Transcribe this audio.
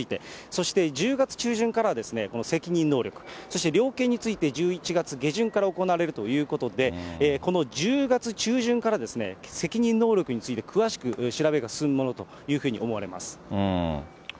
そして１０月中旬からは責任能力、そして量刑について１１月下旬から行われるということで、この１０月中旬から責任能力について詳しく調べが進むものというふうに思われます。